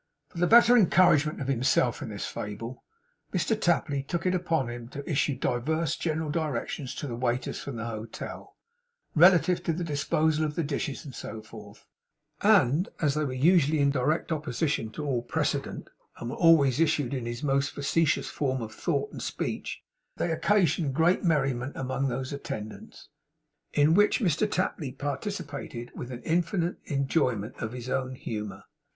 For the better encouragement of himself in this fable, Mr Tapley took it upon him to issue divers general directions to the waiters from the hotel, relative to the disposal of the dishes and so forth; and as they were usually in direct opposition to all precedent, and were always issued in his most facetious form of thought and speech, they occasioned great merriment among those attendants; in which Mr Tapley participated, with an infinite enjoyment of his own humour.